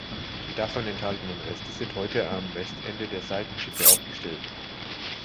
Die davon erhaltenen Reste sind heute am Westende der Seitenschiffe aufgestellt.